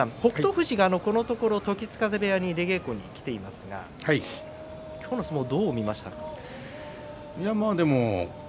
富士はこのところ時津風部屋に出稽古に行っていますが今日の相撲をどう見ましたか。